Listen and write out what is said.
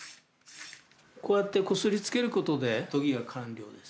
こうやってこすりつけることで研ぎが完了です。